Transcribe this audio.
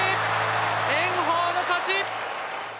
炎鵬の勝ち！